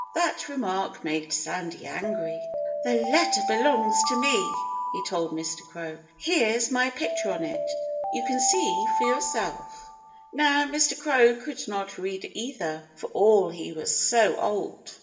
That remark made Sandy angry. "The letter belongs to me!" he told Mr. Crow. "Here's my picture on it. You can see for yourself." Now, Mr. Crow could not read either for all he was so old.